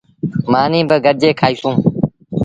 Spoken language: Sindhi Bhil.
مآݩيٚ با گڏجي کآئيٚسون۔